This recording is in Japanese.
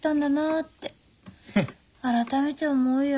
改めて思うよ。